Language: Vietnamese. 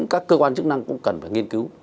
các cơ quan chức năng cũng cần phải nghiên cứu